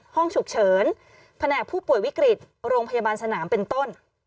ห้องฉุกเฉินแผนกผู้ป่วยวิกฤตโรงพยาบาลสนามเป็นต้น